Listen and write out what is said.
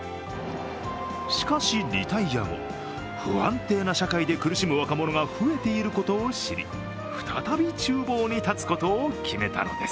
しかし、リタイア後、不安定な社会で苦しむ若者が増えていることを知り再び、ちゅう房に立つことを決めたのです。